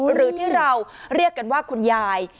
หรือที่เราเรียกกันว่าคุณยาย